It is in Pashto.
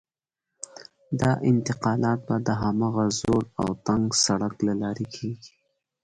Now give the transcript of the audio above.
دا انتقالات به د هماغه زوړ او تنګ سړک له لارې کېږي.